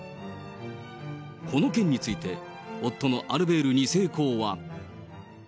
この件について、夫のアルベール２世公は。